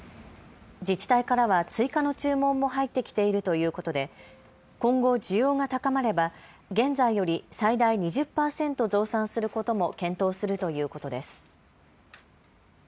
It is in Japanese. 自治体からは追加の注文も入ってきているということで今後、需要が高まれば現在より最大２０％増産することも検討するということです。